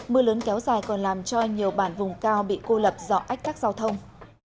mưa lớn kéo dài còn làm cho nhiều bản vùng cao bị cô lập do ách tắc giao thông